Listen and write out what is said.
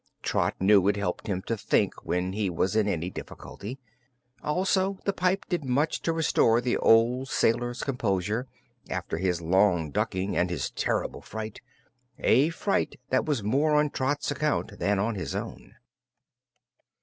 Trot knew it helped him to think when he was in any difficulty. Also, the pipe did much to restore the old sailor's composure, after his long ducking and his terrible fright a fright that was more on Trot's account than his own.